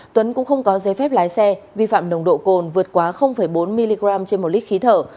tuấn cũng không có giấy phép lái xe vi phạm nồng độ cồn vượt quá bốn mg trên một lít khí thở